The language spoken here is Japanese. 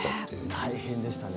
大変でしたね。